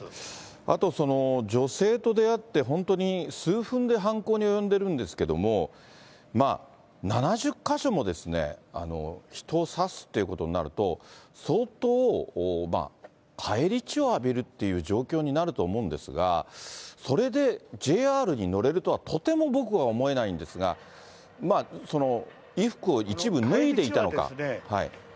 あと、その女性と出会って、本当に数分で犯行に及んでるんですけれども、７０か所も人を刺すっていうことになると、相当、返り血を浴びるという状況になると思いますが、それでＪＲに乗れるとはとても僕は思えないんですが、衣服を一部脱いでいたのか。